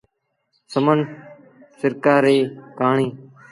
سمن سرڪآر ريٚ ڪهآڻي۔